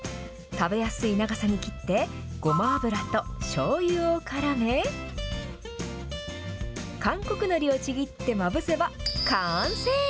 食べやすい長さに切って、ごま油としょうゆをからめ、韓国のりをちぎってまぶせば完成。